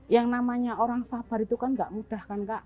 yang namanya orang sabar itu kan tidak mudah